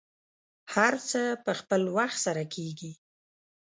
هر څه په خپل وخت سره کیږي.